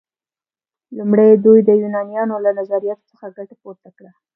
لومړی دوی د یونانیانو له نظریاتو څخه ګټه پورته کړه.